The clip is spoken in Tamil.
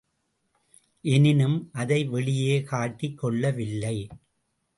எனினும் அதை வெளியே காட்டிக் கொள்ளவில்லை.